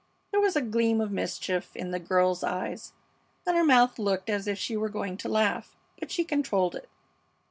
There was a gleam of mischief in the girl's eyes, and her mouth looked as if she were going to laugh, but she controlled it.